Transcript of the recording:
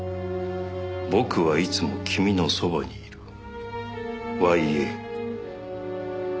「僕はいつも君の傍にいる」「Ｙ．Ａ．」